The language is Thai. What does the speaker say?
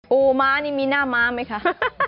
ม้านี่มีหน้าม้าไหมคะ